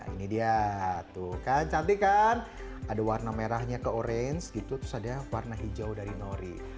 ini dia tuh kan cantik kan ada warna merahnya ke orange gitu terus ada warna hijau dari nori